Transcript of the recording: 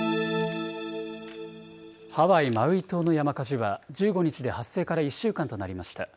ハワイ・マウイ島の山火事は、１５日で発生から１週間となりました。